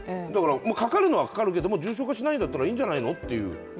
かかるのはかかるけども、重症化しないんだったらいいんじゃないのという。